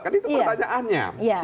kan itu pertanyaannya